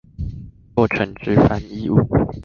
作成之翻譯物